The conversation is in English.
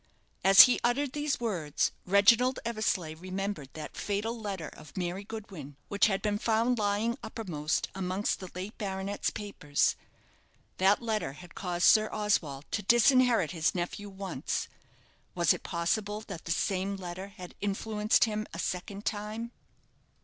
As he uttered these words, Reginald Eversleigh remembered that fatal letter of Mary Goodwin, which had been found lying uppermost amongst the late baronet's papers. That letter had caused Sir Oswald to disinherit his nephew once. Was it possible that the same letter had influenced him a second time?